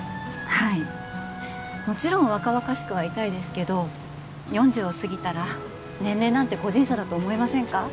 はいもちろん若々しくはいたいですけど４０を過ぎたら年齢なんて個人差だと思いませんか？